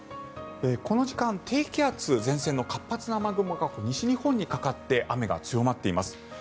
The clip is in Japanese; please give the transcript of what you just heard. この時間、低気圧前線の活発な雨雲が西日本にかかって雨が強まっています。